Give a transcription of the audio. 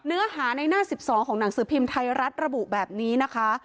เนื้อหาในหน้า๑๒ของหนังสือพิมพ์ไทยรัฐระบุแบบนี้นะคะ